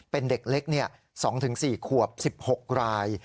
เป็นเด็กเล็ก๒๔ขวบ๑๖ราย